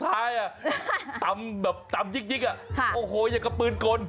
ให้ทราบสุดท้ายตำหยิกอย่างกระปืนกล